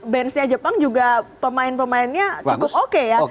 benchnya jepang juga pemain pemainnya cukup oke ya